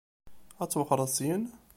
Ad twexxṛeḍ syin?